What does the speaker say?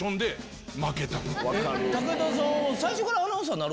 武田さんは。